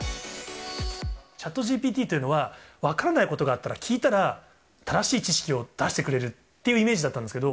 ＣｈａｔＧＰＴというのは、分からないことがあったら聞いたら、正しい知識を出してくれるっていうイメージだったんですけど。